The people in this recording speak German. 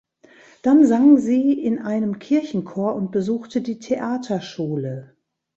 Dann sang sie in einem Kirchenchor und besuchte die Theaterschule.